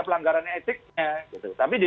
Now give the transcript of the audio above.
pelanggaran etiknya tapi di